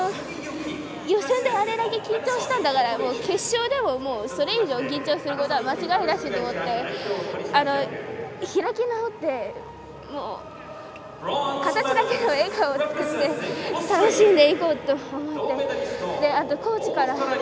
予選であれだけ緊張したんだから決勝でもそれ以上緊張することは間違いなしと思って開き直って形だけの笑顔を作って楽しんでいこうって思って。